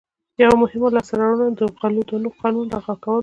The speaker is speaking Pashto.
یوه مهمه لاسته راوړنه د غلو دانو قانون لغوه کول و.